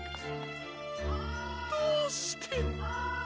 どうして。